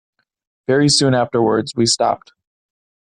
Very soon afterwards we stopped.